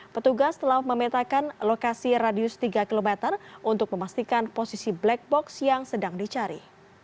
petugas telah memetakan lokasi radius tiga km untuk memastikan posisi black box yang sedang dicari